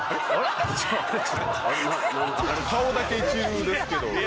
顔だけ一流ですけど。